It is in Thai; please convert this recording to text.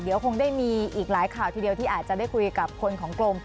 เดี๋ยวคงได้มีอีกหลายข่าวทีเดียวที่อาจจะได้คุยกับคนของกรม